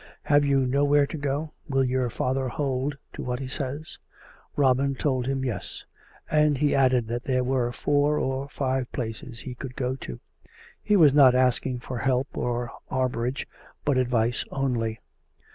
Have you nowhere to go? Will your father hold to what he says ?" Robin told him yes; and he added that there were four or five places he could go to. He was not asking for help or harbourage, but advice only.